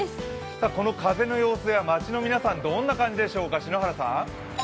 この風の様子や街の皆さんどんな感じでしょうか。